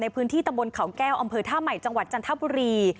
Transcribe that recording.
พื้นที่ตะบนเขาแก้วอำเภอท่าใหม่จังหวัดจันทบุรี